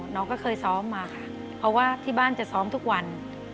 น้องก็เคยซ้อมมาค่ะเพราะว่าที่บ้านจะซ้อมทุกวัน